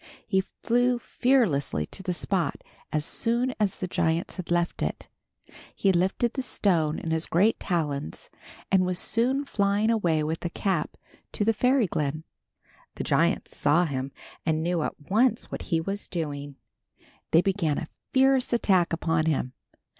He flew fearlessly to the spot as soon as the giants had left it. He lifted the stone in his great talons, and was soon flying away with the cap to the fairy glen. The giants saw him, and knew at once what he was doing. They began a fierce attack upon him.